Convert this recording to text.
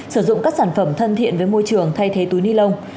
sử dụng các sản phẩm thân thiện với môi trường thay thế túi ni lông